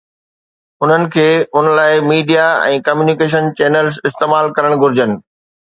انهن کي ان لاءِ ميڊيا ۽ ڪميونيڪيشن چينلز استعمال ڪرڻ گهرجن.